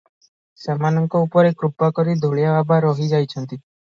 ସେମାନଙ୍କ ଉପରେ କୃପା କରି ଧୂଳିଆ ବାବା ରହି ଯାଇଛନ୍ତି ।